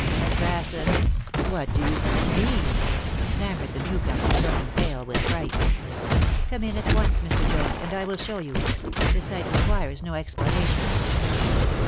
"Assassin! What do you mean?" stammered the new comer, turning pale with fright. "Come in at once, Mr. Joad, and I will show you. The sight requires no explanation."